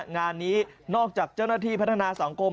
งานนี้นอกจากเจ้าหน้าที่พัฒนาสังคม